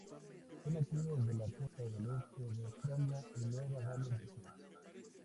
Son nativos de la costa del este de Australia y Nueva Gales del Sur.